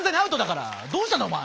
どうしたんだお前。